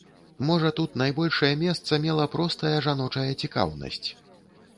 Можа, тут найбольшае месца мела простая жаночая цікаўнасць.